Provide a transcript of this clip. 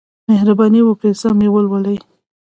مهرباني وکړئ سم یې ولولئ.